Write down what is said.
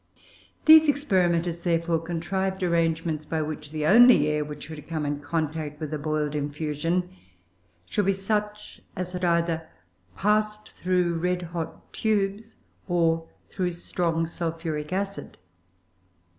These experimenters, therefore, contrived arrangements by which the only air which should come into contact with a boiled infusion should be such as had either passed through red hot tubes or through strong sulphuric acid.